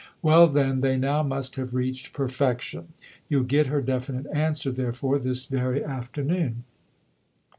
" Well, then, they now must have reached per fection. You'll get her definite answer, therefore, this very afternoon."